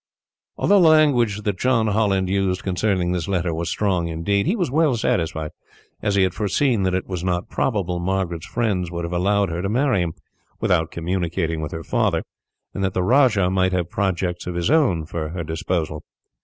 Although the language that John Holland used concerning this letter was strong, indeed, he was well satisfied, as he had foreseen that it was not probable Margaret's friends would have allowed her to marry him, without communicating with her father; and that the rajah might have projects of his own for her disposal.